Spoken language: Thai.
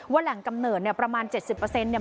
ว่าแหล่งกำเนิดเนี่ยประมาณเจ็ดสิบเปอร์เซ็นต์เนี่ย